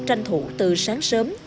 tranh thủ từ sáng sớm